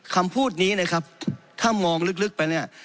คำพูดนี้นะครับถ้ามองลึกไปเนี่ย